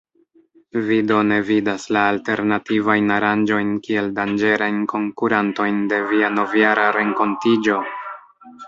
Vi do ne vidas la alternativajn aranĝojn kiel danĝerajn konkurantojn de via Novjara Renkontiĝo?